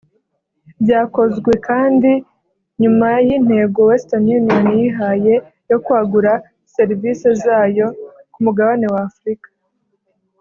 Byakozwe kandi nyuma y’intego Western Union yihaye yo kwagura serivise zayo ku mugabane wa Afrika